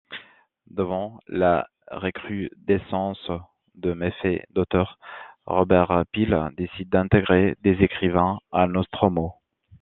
Devant la recrudescence de méfaits d'auteurs, Robert Peel décide d'intégrer des écrivains à Nostromo.